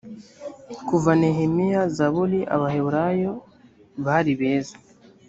kuva nehemiya zaburi abaheburayo bari beza